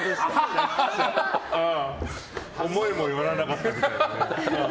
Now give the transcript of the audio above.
思いもよらなかったみたいですね。